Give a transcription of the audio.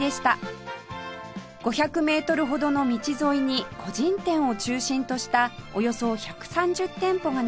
５００メートルほどの道沿いに個人店を中心としたおよそ１３０店舗が並ぶ